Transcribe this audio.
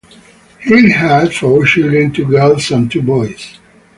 He had four children, two girls and two boys.